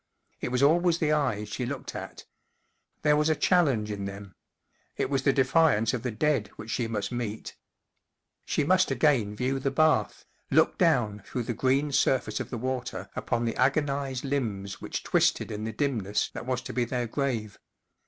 It was always the eyes she looked at. There was a challenge in them. It was the defiance of the dead which she must meet. She must again view the bath, look down through the green surface of the water upon the agonized limbs which twisted in the dimness that was to be their grave.